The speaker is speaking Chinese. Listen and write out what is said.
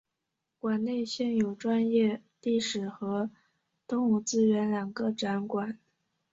馆内现有农业历史和动物资源两个展馆。